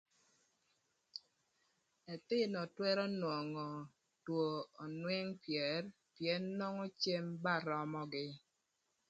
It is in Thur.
Ëthïnö twërö nwongo two önwëng pyër pïën nwongo cem ba römögï.